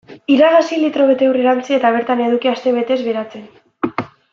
Iragazi, litro bete ur erantsi eta bertan eduki astebetez beratzen.